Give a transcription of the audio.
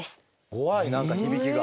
怖い何か響きが。